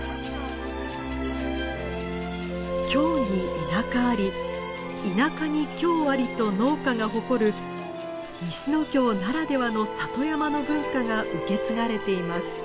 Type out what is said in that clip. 「京に田舎あり田舎に京あり」と農家が誇る西ノ京ならではの里山の文化が受け継がれています。